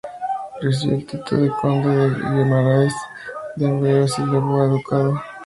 Recibió el título de conde de Guimarães que en breve se elevó a ducado.